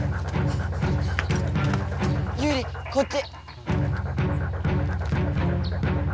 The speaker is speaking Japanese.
ユウリこっち！